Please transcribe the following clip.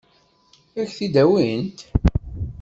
Ad k-t-id-awint?